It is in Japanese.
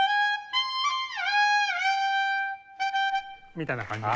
みたいな感じに。